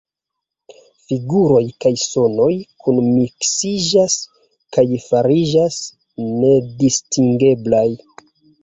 Figuroj kaj sonoj kunmiksiĝas kaj fariĝas nedistingeblaj.